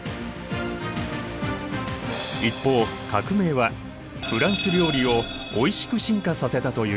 一方革命はフランス料理をおいしく進化させたという。